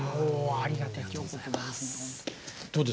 ありがとうございます。